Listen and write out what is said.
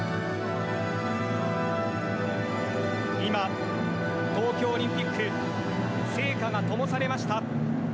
今、東京オリンピック、聖火がともされました。